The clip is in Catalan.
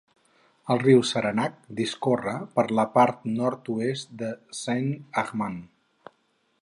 El riu Saranac discorre per la part nord-oest de Saint Armand.